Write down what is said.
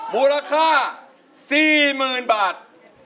บูรค่า๔๐๐๐๐บาท